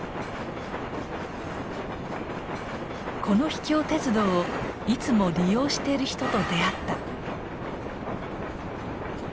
この秘境鉄道をいつも利用している人と出会った。